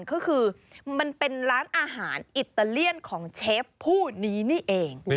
ก็คือมันเป็นร้านอาหารอิตาเลียนของเชฟผู้นี้นี่เอง